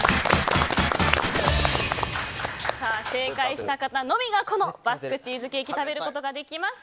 正解した方のみがこのバスクチーズケーキを食べることができます。